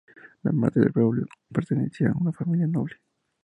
La madre de Braulio pertenecía a una familia noble.